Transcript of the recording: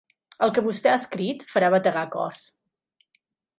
El que vostè ha escrit farà bategar cors.